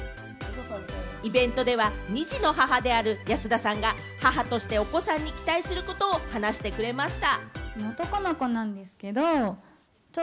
イベントでは２児の母である安田さんが、母としてお子さんに期待することを話してくれました。